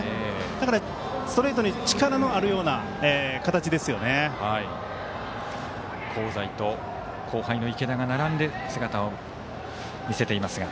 だからストレートに力のあるような香西と後輩の池田が並んで姿を見せていました。